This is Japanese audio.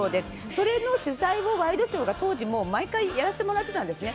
それの取材をワイドショーが当時もう、毎回やらせてもらってたんですね。